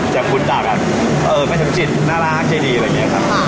เจ้าคุณตากันเออไม่ทำจิตน่ารักใช้ดีอะไรอย่างนี้ครับ